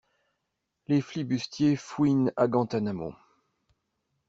Les flibustiers fouinent à Guantanamo!